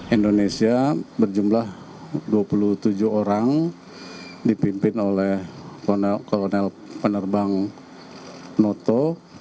indonesia berjumlah dua puluh tujuh orang dipimpin oleh kolonel penerbang noto